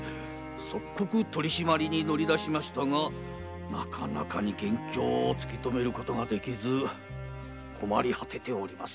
即刻取締りに乗り出しましたがなかなか元凶を突きとめられず困り果てております。